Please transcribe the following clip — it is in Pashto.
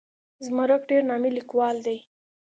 زمرک ډېر نامي لیکوال دی.